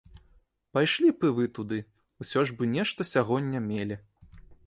Пайшлі б і вы туды, усё ж бы нешта сягоння мелі.